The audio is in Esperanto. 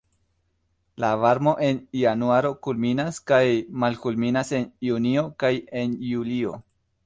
La varmo en januaro kulminas kaj malkulminas en junio kaj en julio.